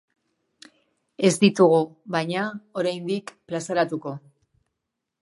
Ez ditugu, baina, oraindik plazaratuko.